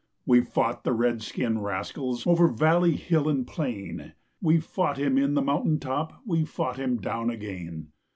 We fought the red skin rascals Over valley, hill, and plain; We fought him in the mountain top, We fought him down again.